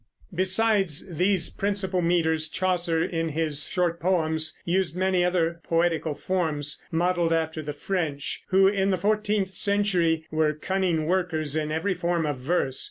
Besides these principal meters, Chaucer in his short poems used many other poetical forms modeled after the French, who in the fourteenth century were cunning workers in every form of verse.